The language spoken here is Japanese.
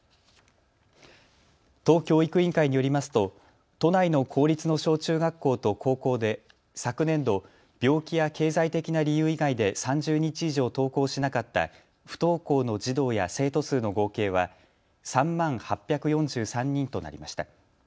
都教育委員会によりますと都内の公立の小中学校と高校で昨年度、病気や経済的な理由以外で３０日以上登校しなかった不登校の児童や生徒数の合計は３万８４３人となりました。